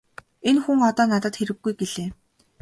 Энэ хүн одоо надад хэрэггүй -гэлээ.